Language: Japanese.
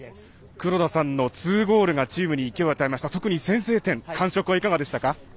黒田さんの２ゴールがチームに勢いを与えて特に先制点感触はいかがでしたか？